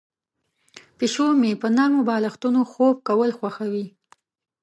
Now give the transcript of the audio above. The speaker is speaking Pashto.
پیشو مې په نرمو بالښتونو خوب کول خوښوي.